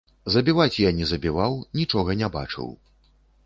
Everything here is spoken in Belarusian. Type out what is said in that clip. Забіваць я не забіваў, нічога не бачыў.